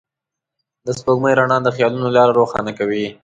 د سپوږمۍ رڼا د خيالونو لاره روښانه کوي.